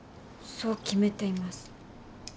そう決めています。